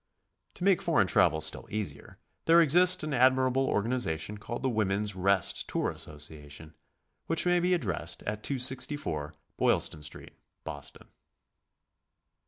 To make foreign travel still easier, there exists an ad mirable organization called the Women's Rest Tour Asso ciation, which may be addressed at 264 Boylston Street, Boston.